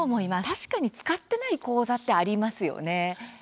確かに、使ってない口座ってありますよね。